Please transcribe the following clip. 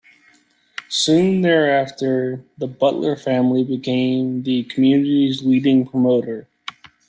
Soon thereafter the Butler family became the community's leading promoter.